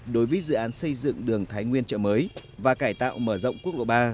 đối với dự án xây dựng đường thái nguyên chợ mới và cải tạo mở rộng quốc lộ ba